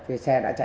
cái xe đã chạy